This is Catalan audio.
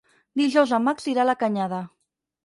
Dijous en Max irà a la Canyada.